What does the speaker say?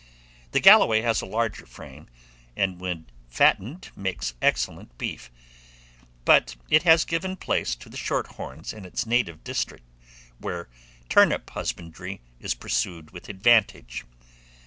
The Galloway has a larger frame, and when fattened makes excellent beef. But it has given place to the short horns in its native district, where turnip husbandry is pursued with advantage.